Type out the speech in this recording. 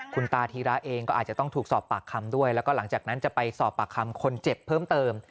คุณตาธีระเองก็อาจจะต้องถูกสอบปากคำด้วยแล้วก็หลังจากนั้นจะไปสอบปากคำคนเจ็บเพิ่มเติม